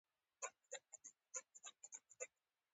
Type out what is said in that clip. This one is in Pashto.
د الحمرأ منځۍ د ودانونې موخه یې وه.